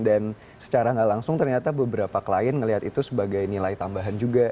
dan secara nggak langsung ternyata beberapa klien ngelihat itu sebagai nilai tambahan juga